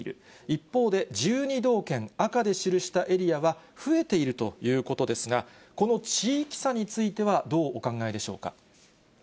一方で、１２道県、赤で記したエリアは、増えているということですが、この地域差についてはどうお考えでしょうか。